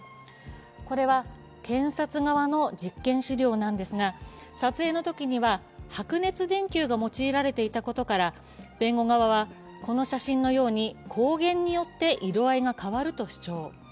これは検察側の実験資料なんですが、撮影のときには白熱電球が用いられていたことから、弁護側はこの写真のように光源によって色合いが変わると主張。